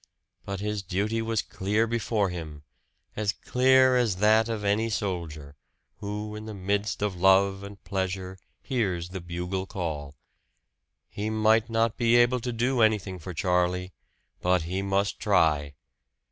But his duty was clear before him as clear as that of any soldier, who in the midst of love and pleasure hears the bugle call. He might not be able to do anything for Charlie. But he must try!